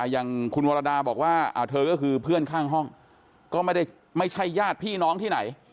อย่างคุณวรดาบอกว่าเธอก็คือเพื่อนข้างห้องก็ไม่ใช่ญาติพี่น้องที่ไหน